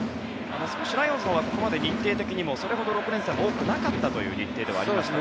少しライオンズのほうはこれまで日程的にもそれほど６連戦、多くなかったという日程でしたね。